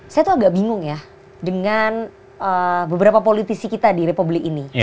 saya tuh agak bingung ya dengan beberapa politisi kita di republik ini